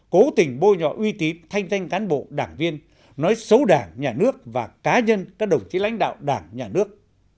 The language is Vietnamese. cố tình bôi nhọ uy tín thanh danh cán bộ đảng viên nói xấu đảng nhà nước và cá nhân các đồng chí lãnh đạo đảng nhà nước